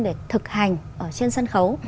để thực hành trên sân khấu